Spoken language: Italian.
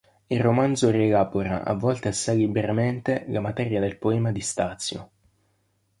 Il romanzo rielabora, a volte assai liberamente, la materia del poema di Stazio.